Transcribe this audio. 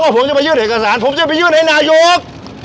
ผมจะไปยื่นเอกสารผมจะไปยื่นให้นายก